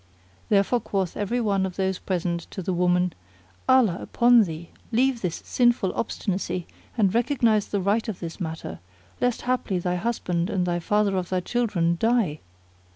Therefore quoth every one of those present to the woman, "Allah upon thee, leave this sinful obstinacy and recognise the right of this matter, lest haply thy husband and the father of thy children die."